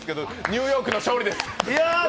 ニューヨークの勝利です。